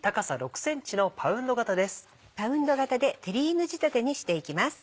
パウンド型でテリーヌ仕立てにしていきます。